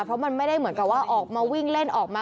เพราะมันไม่ได้เหมือนกับว่าออกมาวิ่งเล่นออกมา